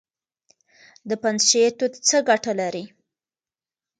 د پنجشیر توت څه ګټه لري؟